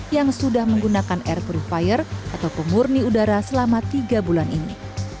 yang sudah menggunakan air purifier atau pemurni udara selama tiga bulan ini